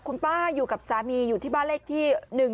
คุณป้าอยู่กับสามีอยู่ที่บ้านเลขที่๑๒